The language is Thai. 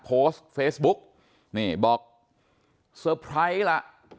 โพสต์เฟซบุ๊กนี่บอกเซอร์ไพรส์ล่ะ